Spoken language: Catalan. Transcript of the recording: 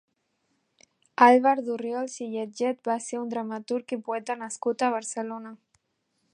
Àlvar d'Orriols i Lletget va ser un dramaturg i poeta nascut a Barcelona.